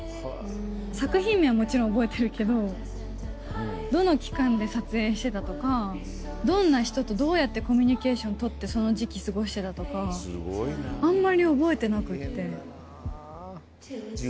作品名はもちろん覚えてるけど、どの期間で撮影してたとか、どんな人とどうやってコミュニケーション取って、その時期、過ごしてたとか、あんまり覚えてなくて。